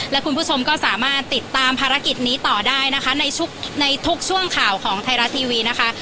และคุณผู้ชมก็สามารถติดตามภารกิจนี้ต่อได้นะคะในทุกในทุกช่วงข่าวของไทยรัฐทีวีนะคะ